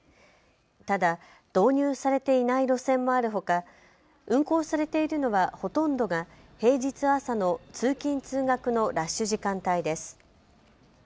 ただ導入されていない路線もあるほか、運行されているのはほとんどが平日朝の通勤通学のラッシュ時間帯です。